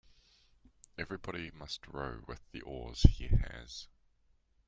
Everybody must row with the oars he has.